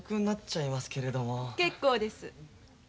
結構です。